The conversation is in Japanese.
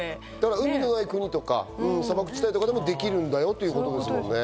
海のない国とか砂漠地帯でもできるんだよってことですね。